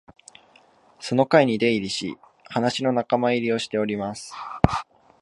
その会に出入りし、話の仲間入りをしております